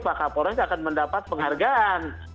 pak kapolres akan mendapat penghargaan